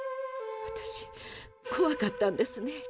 私こわかったんですね